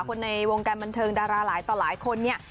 คนในวงการบันเทิงดาราหลายต่อหลายคนเนี่ย